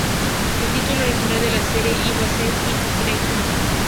El título original de la serie iba a ser "Hill Street Station".